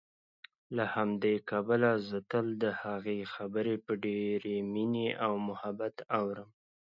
له همدې کبله زه تل دهغې خبرې په ډېرې مينې او محبت اورم